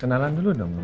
kenalan dulu dong